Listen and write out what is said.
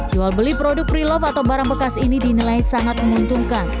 jual beli produk pre love atau barang bekas ini dinilai sangat menguntungkan